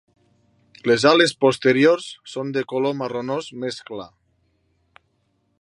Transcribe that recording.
Les ales posteriors són de color marronós més clar.